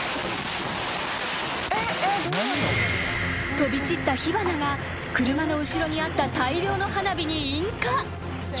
［飛び散った火花が車の後ろにあった大量の花火に引火］